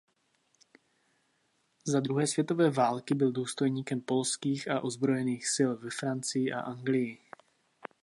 Za druhé světové války byl důstojníkem polských ozbrojených sil ve Francii a Anglii.